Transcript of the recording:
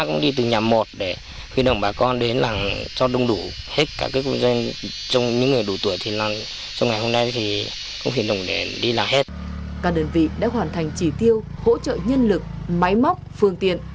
các đơn vị đã hoàn thành chỉ tiêu hỗ trợ nhân lực máy móc phương tiện